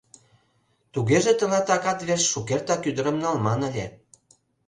Тугеже тылат акат верч шукертак ӱдырым налман ыле.